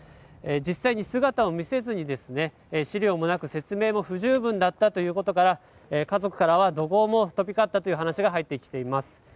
実際に姿を見せずに資料もなく説明も不十分だったということから家族からは怒号も飛び交ったということが入ってきています。